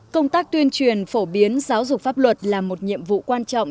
công tác tuyên truyền phổ biến giáo dục pháp luật là một nhiệm vụ quan trọng